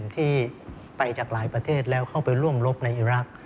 ที่ไปจากหลายประเทศแล้วเข้าไปร่วมรบในอิรักษ์